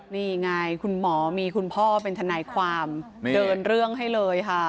นี่ไงคุณหมอมีคุณพ่อเป็นทนายความเดินเรื่องให้เลยค่ะ